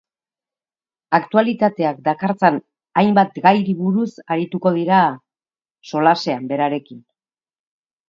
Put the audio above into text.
Aktualitateak dakartzan hainbat gairi buruz arituko dira solasean berarekin.